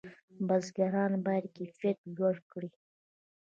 بزګران باید کیفیت لوړ کړي.